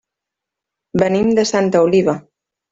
Venim de Santa Oliva.